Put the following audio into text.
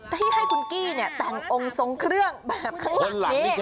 ที่ให้คุณกี้แต่งองค์ทรงเครื่องแบบข้างหลังนี้